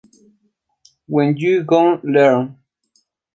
When You Gonna Learn?